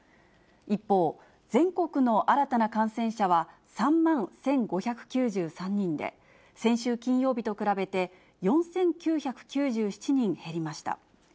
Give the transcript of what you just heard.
一方、全国の新たな感染者は３万１５９３人で、先週金曜日と比べて、４９９７人減りました。